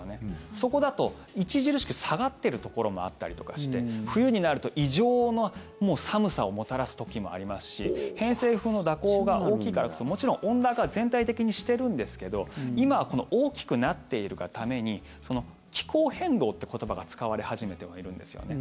そこだと著しく下がっているところもあったりとかして冬になると異常な寒さをもたらす時もありますし偏西風の蛇行が大きいからもちろん温暖化は全体的にしているんですけど今は大きくなっているがために気候変動って言葉が使われ始めてもいるんですよね。